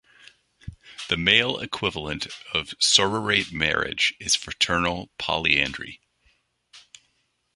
The male equivalent of sororate marriage is fraternal polyandry.